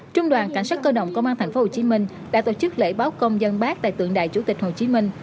trung đoàn cảnh sát cơ động công an tp hcm đã tổ chức lễ báo công dân bác tại tượng đài chủ tịch hồ chí minh